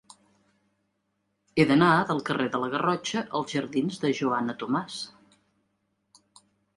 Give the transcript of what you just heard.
He d'anar del carrer de la Garrotxa als jardins de Joana Tomàs.